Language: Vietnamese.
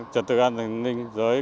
trật tựa an ninh dưới